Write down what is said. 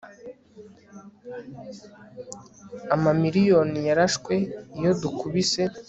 Amamiriyoni yarashwe iyo dukubise